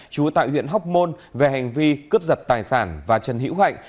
chú tại huyện hóc môn về hành vi cướp giật tài sản và trần hữu hạnh